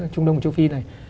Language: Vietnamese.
trung đông châu phi này